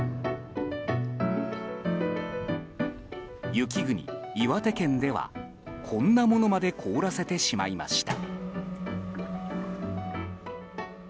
雪国・岩手県ではこんなものまで凍らせてしまいました。